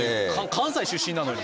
関西出身なのに。